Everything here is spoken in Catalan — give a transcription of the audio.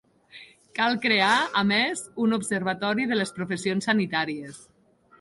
Cal crear, a més, un observatori de les professions sanitàries.